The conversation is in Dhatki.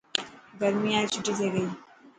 گرميان ري ڇٽي ٿي گئي.